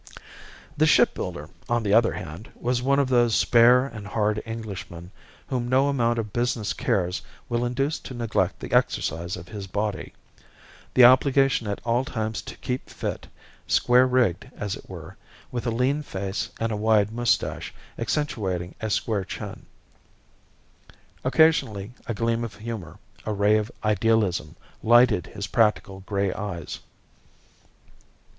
The ship builder, on the other hand, was one of those spare and hard Englishmen whom no amount of business cares will induce to neglect the exercise of his body, the obligation at all times to keep "fit"; square rigged, as it were, with a lean face and a wide moustache accentuating a square chin. Occasionally a gleam of humour, a ray of idealism, lighted his practical grey eyes.